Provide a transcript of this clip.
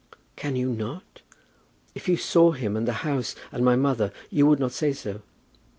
"Can you not? If you saw him, and the house, and my mother, you would not say so.